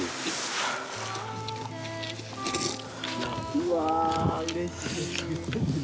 うわうれしい。